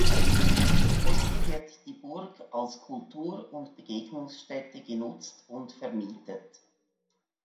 Heute wird die Burg als Kultur- und Begegnungsstätte genutzt und vermietet.